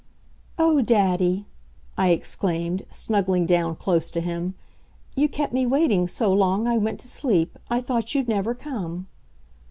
"Oh, daddy," I exclaimed, snuggling down close to him, "you kept me waiting so long I went to sleep. I thought you'd never come."